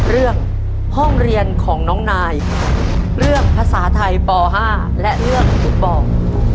เรื่องห้องเรียนของน้องนายเลือกภาษาไทยป๕และเรื่องฟุตบอล